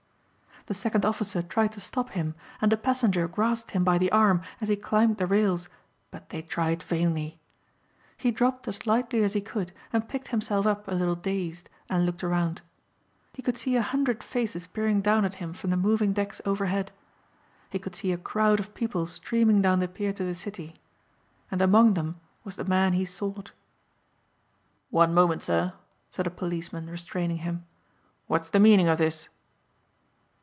The second officer tried to stop him and a passenger grasped him by the arm as he climbed the rails but they tried vainly. He dropped as lightly as he could and picked himself up a little dazed and looked around. He could see a hundred faces peering down at him from the moving decks overhead. He could see a crowd of people streaming down the pier to the city. And among them was the man he sought. "One moment, sir," said a policeman restraining him, "what's the meaning of this?"